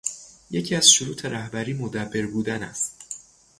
یکی از شروط رهبری، مدبّر بودن است